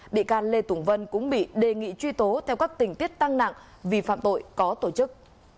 bị can lê tùng vân cũng bị đề nghị truy tố theo các tình tiết tăng nặng vì phạm tội có tổ chức